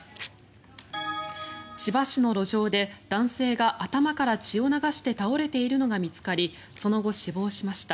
千葉市の路上で男性が頭から血を流して倒れているのが見つかりその後、死亡しました。